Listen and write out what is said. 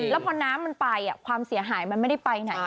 แล้วพอน้ำมันไปความเสียหายมันไม่ได้ไปไหน